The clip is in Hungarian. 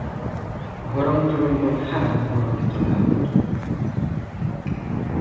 A harangtoronyban három harang található.